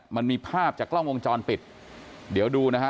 มันมีภาพจากกล้องวงจรปิดเดี๋ยวดูนะฮะ